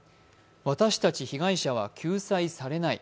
私たち被害者は救済されない。